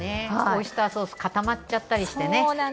オイスターソース固まっちゃったりしてね。